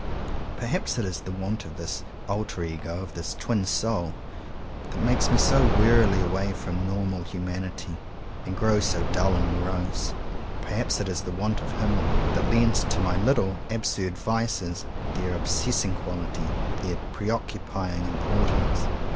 Perhaps it is the want of this "alter ego," of this ''twin soul," that makes me turn so wearily away from normal humanity, and grow so dull and morose. Perhaps it is the want of him that lends to my little absurd vices their obsessing quality, their preoccupying importance.